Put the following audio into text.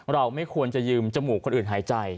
เราไม่ควรจะยืมจมูกคนอื่นหายใจ